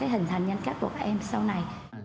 hình thành nhân cách của các em sau này